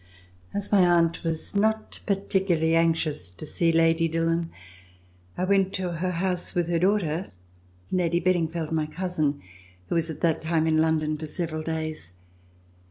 As my aunt was not particularly anxious to see Lady Dillon, I went to her house with her daughter, Lady Bedingfeld, my cousin, who was at that time in London for several days.